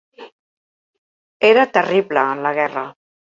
Era terrible en la guerra.